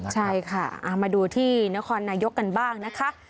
ใช่ค่ะมาดูที่นครนายกกันบ้างนะคะ